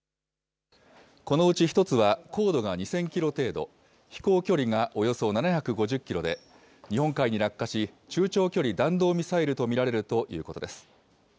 このうち１つは高度が２０００キロ程度、飛行距離がおよそ７５０キロで、日本海に落下し、中長距離弾道ミサイルと見られるということです。